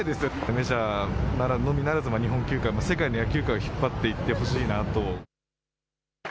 メジャーのみならず日本球界、世界の野球界を引っ張っていってほしいなと。